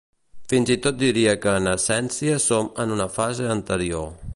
Fins i tot diria que en essència som en una fase anterior.